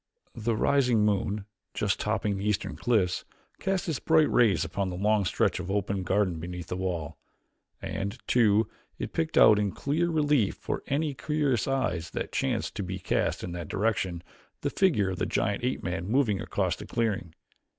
The rising moon, just topping the eastern cliffs, cast its bright rays upon the long stretch of open garden beneath the wall. And, too, it picked out in clear relief for any curious eyes that chanced to be cast in that direction, the figure of the giant ape man moving across the clearing.